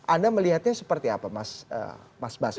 anda melihatnya seperti apa mas basri